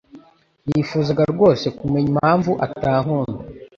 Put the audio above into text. Nifuzaga rwose kumenya impamvu atankunda.